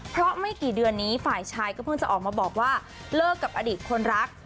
เพราะไม่กี่เดือนนี้ฝ่ายชายก็เพิ่งจะออกมาบอกว่าเลิกกับอดีตคนรัก